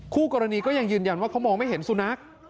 คู่กรณีก็ยังยืนยันว่าเขามองไม่เห็นสุนัข